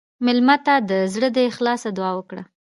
مېلمه ته د زړه له اخلاصه دعا وکړه.